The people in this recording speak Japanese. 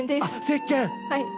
せっけん！